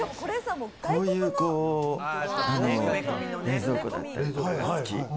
こういう冷蔵庫だったり、好き。